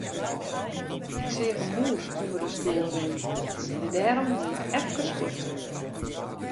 Ik seach in mûs ûnder de stoel rinnen en dêrom wie ik efkes fuort.